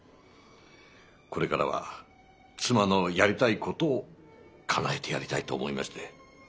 これからは妻のやりたいことをかなえてやりたいと思いまして。